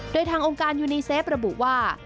โดยทางองค์การยูนีเซฟระบุว่า